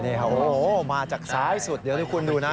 นี่ค่ะโอ้โฮมาจากซ้ายสุดเดี๋ยวคุณดูนะ